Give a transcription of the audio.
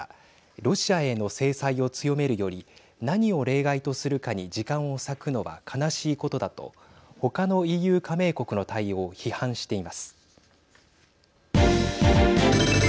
ロシアへの制裁を強めるより何を例外とするかに時間を割くのは悲しいことだと他のＥＵ加盟国の対応を批判しています。